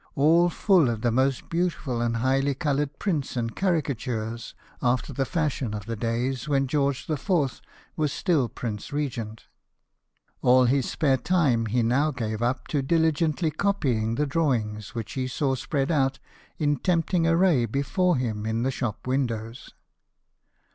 all full of the most beautiful and highly coloured prints and caricatures, after the fashion of the days when George IV. was still Prince Regent. All his spare time he now gave up to diligently copying the drawings which he saw spread out in tempting array before him in the shop windows.